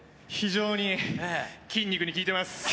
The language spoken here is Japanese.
非常に筋肉に効いてます。